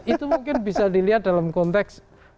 itu mungkin bisa dilihat dalam konteks